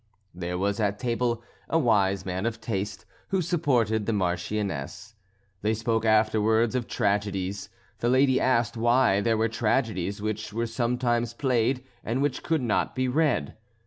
There was at table a wise man of taste, who supported the Marchioness. They spoke afterwards of tragedies; the lady asked why there were tragedies which were sometimes played and which could not be read.